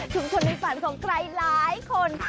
ชุมชนในฝันของไกลหลายคน